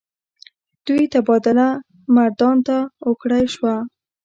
د دوي تبادله مردان ته اوکړے شوه ۔